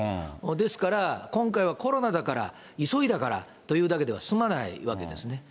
ですから、今回はコロナだから、急いだからというだけでは済まないわけですね。